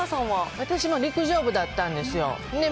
私も陸上部だったんですよ。